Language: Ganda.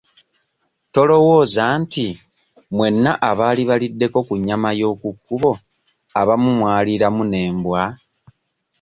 Tolowooza nti mwenna abaali baliddeko ku nnyama y'oku kkubo abamu mwaliraamu n'embwa?